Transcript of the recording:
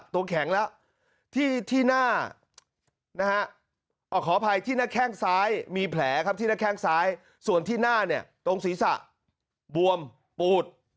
ทีหน้าขออภัยที่แค่งซ้ายมีแผลครับที่น้าแค่งซ้ายส่วนที่หน้าเนี่ยตรงศรีษะบวมปูดนะ